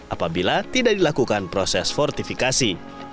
apabila tidak dilakukan proses fortifikasi